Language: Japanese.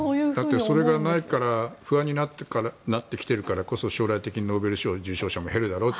それがないから不安になってきているからこそ将来的にノーベル賞受賞者も減るだろうと。